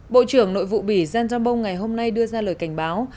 bộ trưởng nội vụ bỉ giang giang bông ngày hôm nay đưa ra lời cảnh báo